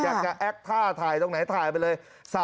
อยากจะแอ็กท่าถ่ายตรงไหนถ่ายไปเลย